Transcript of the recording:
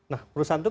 nah perusahaan itu